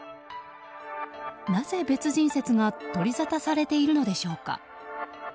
なぜ別人説が取りざたされているのでしょうか。